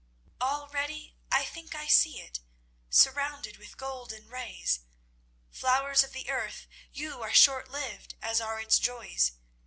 Already I think I see it, surrounded with golden rays. Flowers of the earth, you are shortlived, as are its joys.